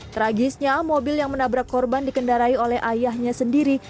tragisnya mobil yang menabrak korban dikendarai oleh ayahnya sendiri